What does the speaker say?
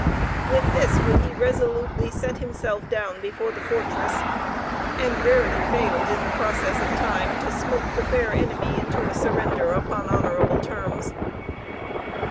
With this would he resolutely set himself down before the fortress, and rarely failed, in the process of time, to smoke the fair enemy into a surrender upon honorable terms.